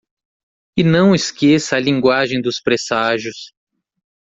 E não esqueça a linguagem dos presságios.